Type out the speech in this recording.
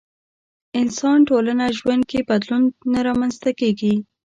انسان ټولنه ژوند کې بدلون نه رامنځته کېږي.